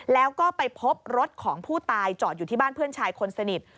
แล้วก็ไปพบรถของผู้ตายจอดอยู่ที่บ้านเพื่อนชายคนสนิท